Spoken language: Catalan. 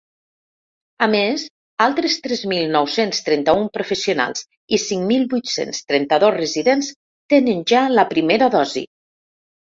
A més, altres tres mil nou-cents trenta-un professionals i cinc mil vuit-cents trenta-dos residents tenen ja la primera dosi.